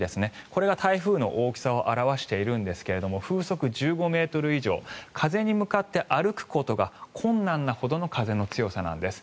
これが台風の大きさを表しているんですが風速１５ｍ以上風に向かって歩くことが困難なほどの風の強さなんです。